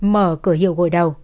mở cửa hiệu gội đầu